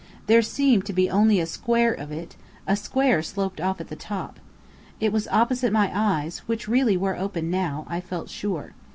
There seemed to be only a square of it, a square sloped off at the top. It was opposite my eyes, which really were open now, I felt sure.